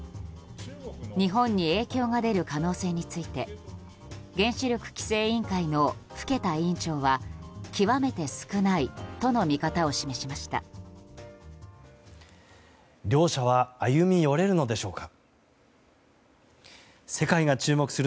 日本に影響が出る可能性について原子力規制委員会の更田委員長は極めて少ないとの見方を示しました。両者は歩み寄れるのでしょうか。